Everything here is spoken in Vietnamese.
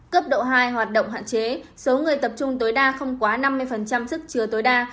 cấp độ hai hoạt động hạn chế số người tập trung tối đa không quá năm mươi sức chứa tối đa